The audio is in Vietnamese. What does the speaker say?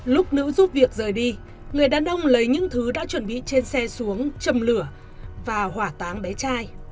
lúc nữ giúp việc rời đi người đàn ông lấy những thứ đã chuẩn bị trên xe xuống châm lửa và hỏa táng bé trai